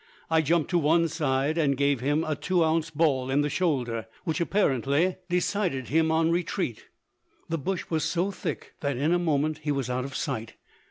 I jumped to one side and gave him a two ounce ball in the shoulder, which apparently decided him on retreat. The bush was so thick that in a moment he was out of sight.